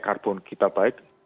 karbon kita baik